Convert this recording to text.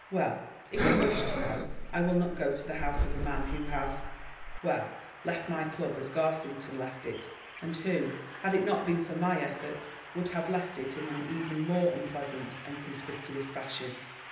"Well, if you wish to know, I will not go to the house of a man who has—well, left my club as Garsington left it, and who, had it not been for my efforts, would have left it in an even more unpleasant and conspicuous fashion.